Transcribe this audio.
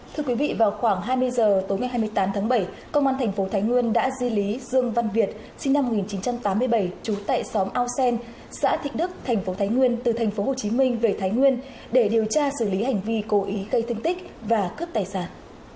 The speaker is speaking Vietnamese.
thưa quý vị vào khoảng hai mươi h tối ngày hai mươi tám tháng bảy công an thành phố thái nguyên đã di lý dương văn việt sinh năm một nghìn chín trăm tám mươi bảy trú tại xóm ao sen xã thịnh đức thành phố thái nguyên từ tp hcm về thái nguyên để điều tra xử lý hành vi cố ý gây thương tích và cướp tài sản